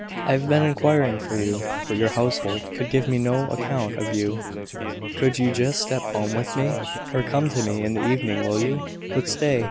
"I have been inquiring for you, but your household could give me no account of you. Could you just step home with me? Or come to me in the evening, will you? But stay!